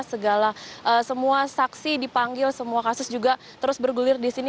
segala semua saksi dipanggil semua kasus juga terus bergulir di sini